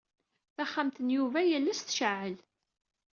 Taxxamt n Yuba yal ass tceɛɛel.